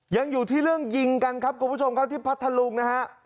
ยังอยู่ที่เรื่องยิงกันครับคุณผู้ชมครับที่พัทธลุงนะฮะ